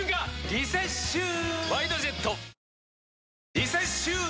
リセッシュー！